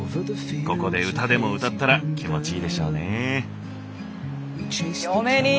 ここで歌でも歌ったら気持ちいいでしょうね。